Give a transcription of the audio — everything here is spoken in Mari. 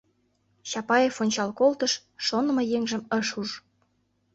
— Чапаев ончал колтыш, шонымо еҥжым ыш уж.